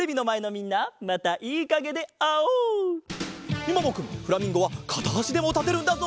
みももくんフラミンゴはかたあしでもたてるんだぞ！